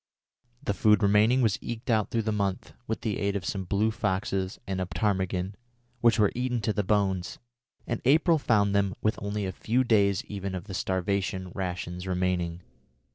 The food remaining was eked out through the month with the aid of some blue foxes and a ptarmigan, which were eaten to the bones, and April found them with only a few days even of the starvation rations remaining.